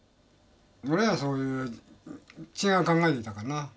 俺はそういう違う考えでいたからな。